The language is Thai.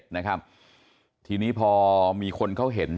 นะครับทีนี้พอมีคนเขาเห็น